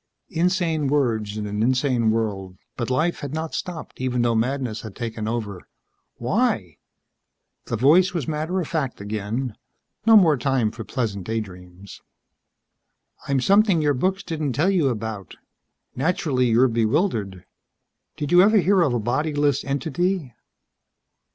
Insane words in an insane world. But life had not stopped even though madness had taken over. "Why?" The voice was matter of fact again. No more time for pleasant daydreams. "I'm something your books didn't tell you about. Naturally you're bewildered. Did you ever hear of a bodyless entity?"